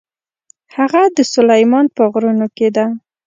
هغه د سلیمان په غرونو کې ده.